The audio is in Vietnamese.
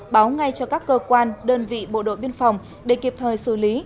báo ngay cho các cơ quan đơn vị bộ đội biên phòng để kịp thời xử lý